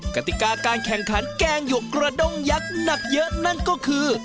กติกาการแข่งขันแกงหยกกระด้งยักษ์หนักเยอะนั่นก็คือ